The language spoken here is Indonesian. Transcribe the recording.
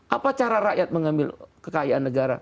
apa cara rakyat mengambil kekayaan negara